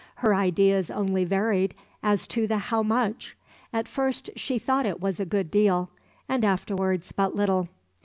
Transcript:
Her ideas only varied as to the how much. At first she thought it was a good deal; and afterwards but little.